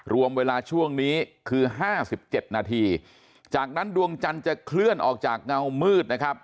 รวมเวลาช่วงนี้คือ๕๗นาทีจากนั้นดวงจันทร์จะเคลื่อนออกจากเงามืดนะครับ